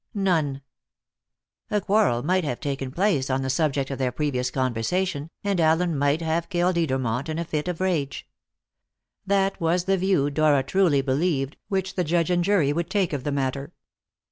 None. A quarrel might have taken place on the subject of their previous conversation, and Allen might have killed Edermont in a fit of rage. That was the view, Dora truly believed, which the judge and jury would take of the matter.